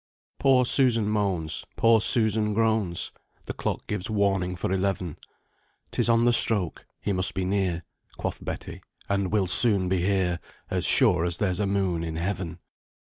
"Poor Susan moans, poor Susan groans; The clock gives warning for eleven; 'Tis on the stroke 'He must be near,' Quoth Betty, 'and will soon be here, As sure as there's a moon in heaven.'